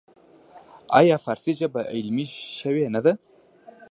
آیا فارسي ژبه علمي شوې نه ده؟